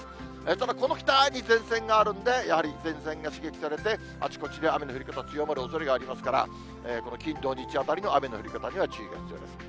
ただ、この下に前線があるんで、やはり前線が刺激されて、あちこちで雨の降り方強まるおそれがありますから、金、土、日、あたりの雨の降り方には注意が必要です。